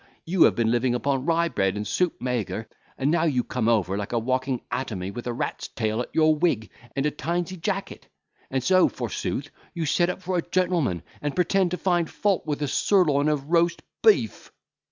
You have been living upon rye bread and soup maigre, and now you come over like a walking atomy with a rat's tail at your wig, and a tinsey jacket. And so, forsooth, you set up for a gentleman, and pretend to find fault with a sirloin of roast beef."